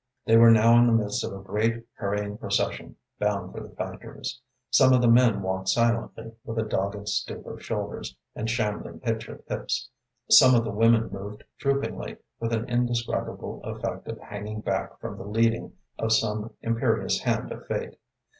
They were now in the midst of a great, hurrying procession bound for the factories. Some of the men walked silently, with a dogged stoop of shoulders and shambling hitch of hips; some of the women moved droopingly, with an indescribable effect of hanging back from the leading of some imperious hand of fate.